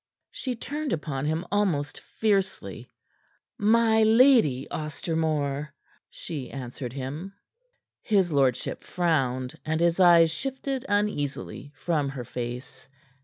She turned upon him almost fiercely. "My Lady Ostermore," she answered him. His lordship frowned, and his eyes shifted uneasily from her face.